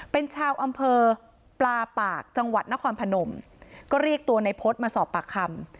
เป็นชาวอำเภอปลาปากจังหวัดนครพนมก็เรียกตัวในพจน์มาสอบปากคำ